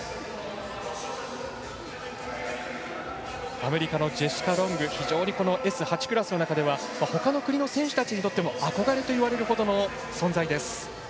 アメリカのジェシカ・ロング非常にＳ８クラスの中ではほかの国の選手たちにも憧れといわれるほどの存在です。